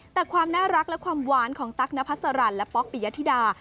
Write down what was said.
แต่ความน่ารักและความหวานของตั๊กนพัสรันและป๊อกปิยธิดา